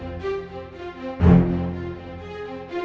kembalikan bayi saya